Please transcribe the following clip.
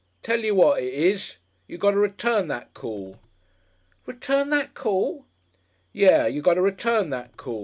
Tell you what it is you got to return that call." "Return that call!" "Yes, you got to return that call.